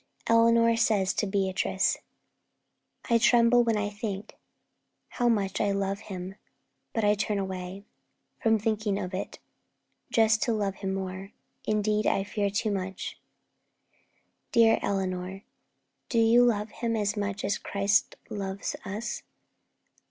Eleanor says to Beatrice: 'I tremble when I think How much I love him; but I turn away From thinking of it, just to love him more; Indeed, I fear, too much.' 'Dear Eleanor, Do you love him as much as Christ loves us?